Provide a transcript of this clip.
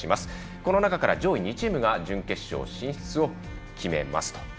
この中から上位２チームが準決勝進出を決めます。